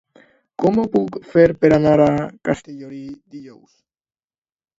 Com ho puc fer per anar a Castellolí dijous?